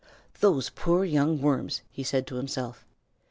"Those poor young worms!" he said to himself.